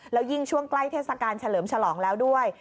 แล้วยิ่งช่วงใกล้เทศกาลเฉลิมฉลองแล้วด้วย